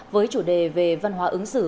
với chủ đề về văn hóa ứng xử